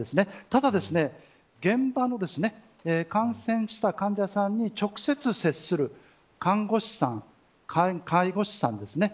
ただ、現場の感染した患者さんに直接、接する看護師さん、介護士さんですね